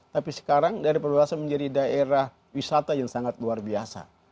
tapi sekarang daerah perluasan menjadi daerah wisata yang sangat luar biasa